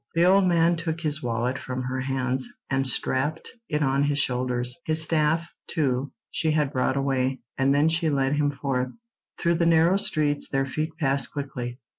The old man took his wallet from her hands, and strapped it on his shoulders—his staff, too, she had brought away—and then she led him forth. Through the narrow streets their feet passed quickly.